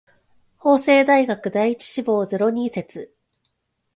法政大学第一志望ゼロ人説